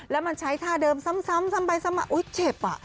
แล้วมันใช้ท่าเดิมซ้ำไปซ้ำมาอุ๊ยเจ็บอ่ะ